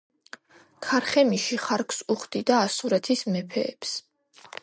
ქარხემიში ხარკს უხდიდა ასურეთის მეფეებს.